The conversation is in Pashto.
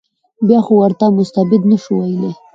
بیا خو ورته مستبد نه شو ویلای.